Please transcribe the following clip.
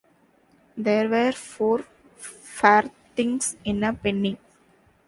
There were four farthings in a penny.